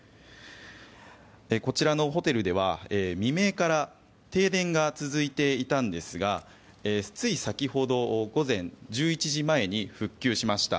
こちらのホテルでは未明から停電が続いていたんですがつい先ほど午前１１時前に復旧しました。